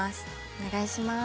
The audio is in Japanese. お願いします。